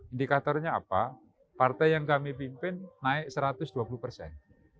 indikatornya apa partai yang kami pimpin naik satu ratus dua puluh persen